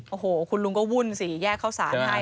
โอ้โหคุณลุงก็วุ่นสิแยกเข้าสารให้